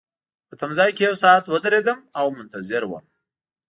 په تمځای کي یو ساعت ودریدم او منتظر وم.